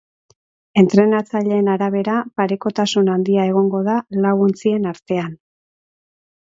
Entrenatzaileen arabera, parekotasun handia egongo da lau ontzien artean.